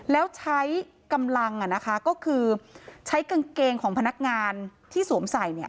แล้วใช้กำลังก็คือใช้กางเกงของพนักงานที่สวมใส่เนี่ย